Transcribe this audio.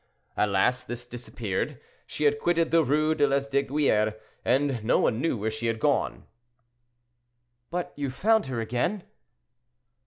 At last this disappeared; she had quitted the Rue de Lesdiguieres, and no one knew where she had gone." "But you found her again?"